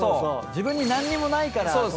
自分に何にもないから。